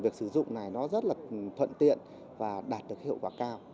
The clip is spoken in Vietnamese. việc sử dụng này nó rất là thuận tiện và đạt được hiệu quả cao